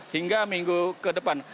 hingga minggu ke depan